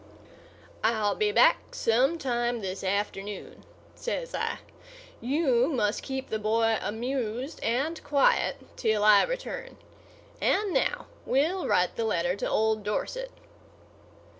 "I'll be back some time this afternoon," says I. "You must keep the boy amused and quiet till I return. And now we'll write the letter to old Dorset."